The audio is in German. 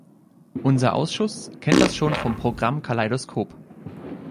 Unser Ausschuss kennt das schon vom Programm Kaleidoskop.